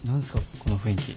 この雰囲気。